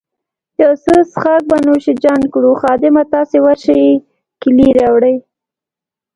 یو څه څیښاک به نوش جان کړو، خادمه، تاسي ورشئ کیلۍ راوړئ.